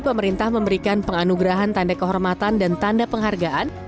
pemerintah memberikan penganugerahan tanda kehormatan dan tanda penghargaan